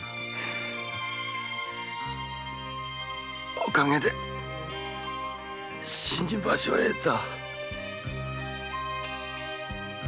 おかげで死に場所を得た。